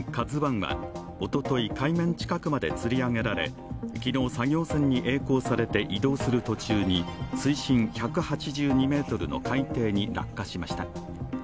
「ＫＡＺＵⅠ」はおととい、海面近くまでつり上げられ昨日、作業船にえい航されて移動する途中に水深１８２ｍの海底に落下しました。